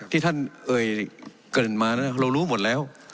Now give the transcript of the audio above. ที่ท่านเอ่ยเกริ่นมาเรารู้หมดแล้ว